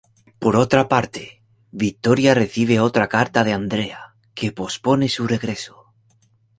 Por otra parte, Victoria recibe otra carta de Andrea, que pospone su regreso.